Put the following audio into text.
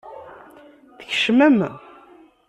Tkecmem.